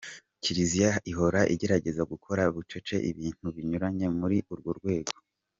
Kiliziya ihora igerageza gukora bucece ibintu binyuranye muri urwo rwego, idasakuza.